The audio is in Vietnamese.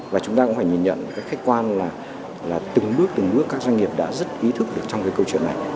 và chúng ta cũng phải nhìn nhận cách khách quan là từng bước từng bước các doanh nghiệp đã rất ý thức được trong cái câu chuyện này